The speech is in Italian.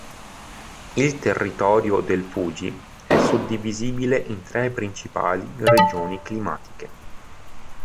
Il territorio del Fuji è suddivisibile in tre principali regioni climatiche.